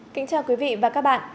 kính chào quý vị và các bạn